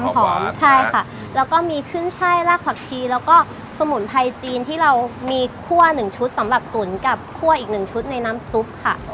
ใช่ค่ะแล้วก็มีเครื่องช่ายรากผักชีแล้วก็สมุนไพรจีนที่เรามีคั่วหนึ่งชุดสำหรับตุ๋นกับคั่วอีกหนึ่งชุดในน้ำซุปค่ะ